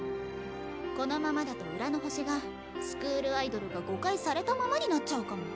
このままだと浦の星がスクールアイドルが誤解されたままになっちゃうかも。